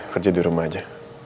kerja di rumah aja